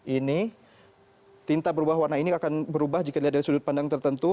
ini tinta berubah warna ini akan berubah jika dilihat dari sudut pandang tertentu